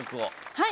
はい！